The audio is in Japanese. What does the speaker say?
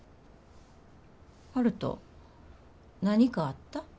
悠人何かあった？